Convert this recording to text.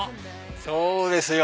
そうですよ！